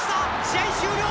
試合終了。